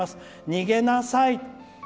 逃げなさい。